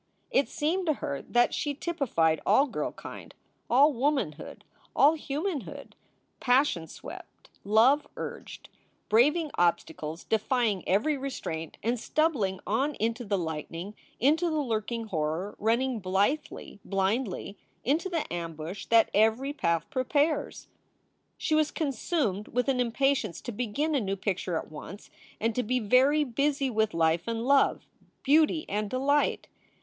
It seemed to her that she typified all girlkind, all woman hood, all humanhood, passion swept, love urged, braving 3 i4 SOULS FOR SALE obstacles, defying every restraint and stumbling on into the lightning, into the lurking horror, running blithely, blindly into the ambush that every path prepares. She was consumed with an impatience to begin a new picture at once, and to be very busy with life and love, beauty and delight.